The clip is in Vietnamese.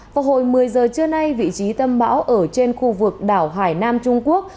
vào hồi một mươi giờ trưa nay vị trí tâm bão ở trên khu vực đảo hải nam trung quốc